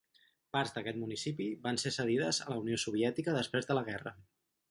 Parts d'aquest municipi van ser cedides a la Unió Soviètica després de la guerra.